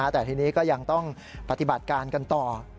แต่ทีนี้ก็ยังต้องปฏิบัติการกันต่อ